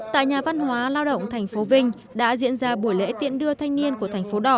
tại nhà văn hóa lao động thành phố vinh đã diễn ra buổi lễ tiện đưa thanh niên của thành phố đỏ